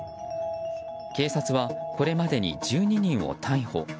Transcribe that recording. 警察は、これまでに１２人を逮捕。